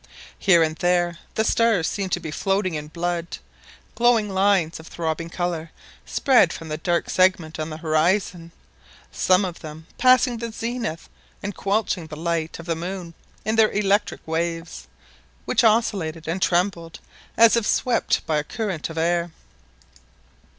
Here and there. the stars seemed to be floating in blood. Glowing lines of throbbing colour spread from the dark segment on the horizon, some of them passing the zenith and quenching the light of the moon in their electric waves, which oscillated and trembled as if swept by a current of air.